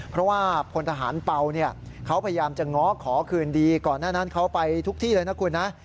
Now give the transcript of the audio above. เพราะว่าพลทหารเป่าเนี่ยเขาพยายามจะง้อขอคืนดีก่อนหน้านั้นเขาไปทุกที่เลยนะคุณนะ